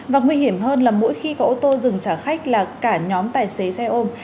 và nguy hiểm hơn là mỗi khi có ô tô dừng trả khách là cả nhóm tài xế xe ôm